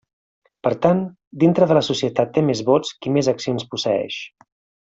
Per tant, dintre de la societat té més vots qui més accions posseeix.